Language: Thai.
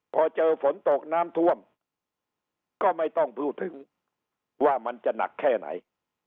พอเจอฝนตกน้ำท่วมก็ไม่ต้องพูดถึงว่ามันจะหนักแค่ไหน